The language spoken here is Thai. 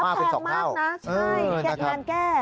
แพงมากนะใช่งานแก้